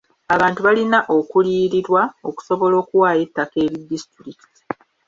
Abantu balina okuliyirirwa okusobola okuwaayo ettaka eri disitulikiti.